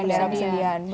di daerah persendian